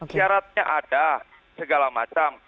syaratnya ada segala macam